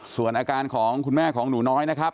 ส่วนอาการของคุณแม่ของหนูน้อยนะครับ